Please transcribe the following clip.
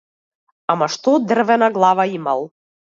Ама што дрвена глава имал.